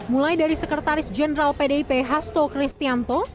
mulai dari sekretaris jenderal pdip hasto kristianto